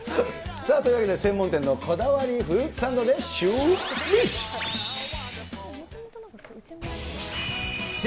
さあ、というわけで専門店のこだわりフルーツサンドでシューＷｈｉｃｈ。